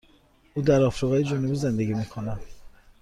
او در آفریقای جنوبی زندگی می کند.